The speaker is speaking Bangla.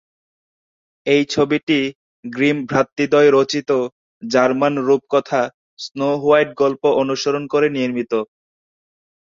এই ছবিটি গ্রিম ভ্রাতৃদ্বয় রচিত জার্মান রূপকথা স্নো হোয়াইট গল্প অনুসরণ করে নির্মিত।